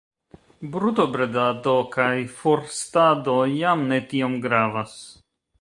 Brutobredado kaj forstado jam ne tiom gravas.